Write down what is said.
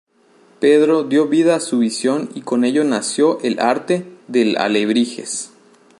Pedro dio vida a su visión y con ello nació el arte del alebrijes.